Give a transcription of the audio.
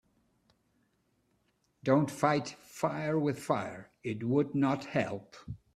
Don‘t fight fire with fire, it would not help.